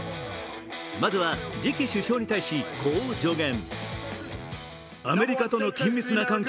まずは次期首相に対し、こう助言。